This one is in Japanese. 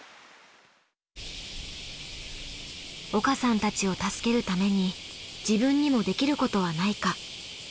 岡さんたちを助けるために自分にもできることはないか。